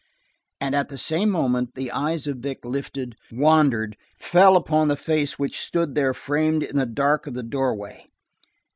And at the same moment, the eyes of Vic lifted, wandered, fell upon the face which stood there framed in the dark of the doorway.